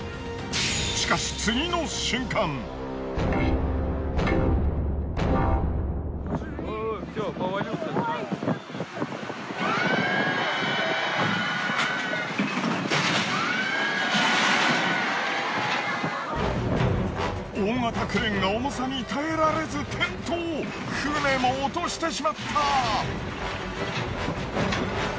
しかし大型クレーンが重さに耐えられず転倒船も落としてしまった。